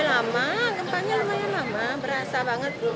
lama gempanya lumayan lama berasa banget bu